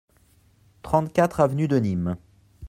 trente-quatre avenue de Nîmes